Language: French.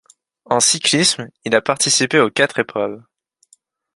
En cyclisme, il a participé aux quatre épreuves.